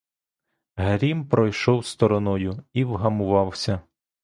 Грім пройшов стороною і вгамувався.